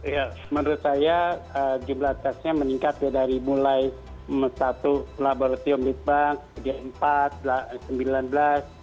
ya menurut saya jumlah tesnya meningkat dari mulai satu laboratorium di bank kemudian empat kemudian sembilan belas